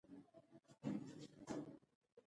زړه قوي دی.